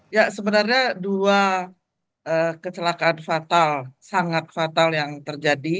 ya sebenarnya dua kecelakaan fatal sangat fatal yang terjadi